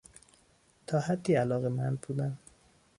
تا حدی علاقمند بودن